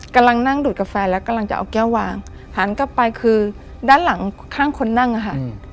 กำลังนั่งดูดกาแฟแล้วกำลังจะเอาแก้ววางหันกลับไปคือด้านหลังข้างคนนั่งอะค่ะ